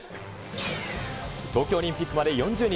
東京オリンピックまで４０日。